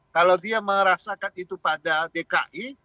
kalau dia merasakan itu pada dki